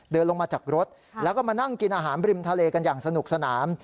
เดินลงมาจากรถแล้วก็มานั่งกินอาหารบริมทะเลกันอย่างสนุกสนาน